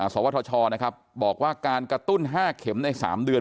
สวทชนะครับบอกว่าการกระตุ้น๕เข็มใน๓เดือน